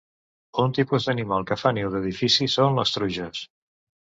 Un tipus d'animal que fa niu d'edifici són les truges.